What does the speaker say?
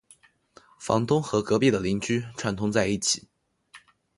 房东和隔壁的邻居串通在一起